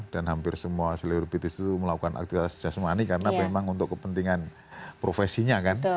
dan hampir semua selebritis itu melakukan aktivitas jazmani karena memang untuk kepentingan profesinya kan